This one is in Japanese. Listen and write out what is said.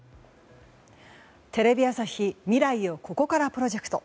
テレビ朝日未来をここからプロジェクト。